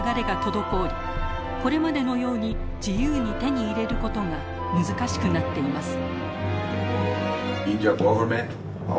これまでのように自由に手に入れることが難しくなっています。